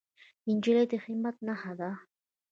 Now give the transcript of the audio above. نجلۍ د همت نښه ده.